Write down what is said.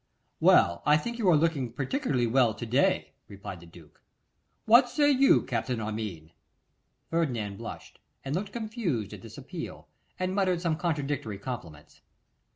'Well, I think you are looking particularly well to day,' replied the duke. 'What say you, Captain Armine?' Ferdinand blushed, and looked confused at this appeal, and muttered some contradictory compliments.